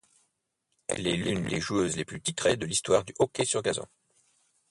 Elle est l'une des joueuses les plus titrées de l'histoire du hockey sur gazon.